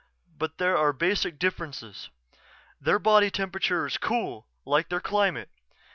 But there are basic differences. Their body temperature is cool, like their climate.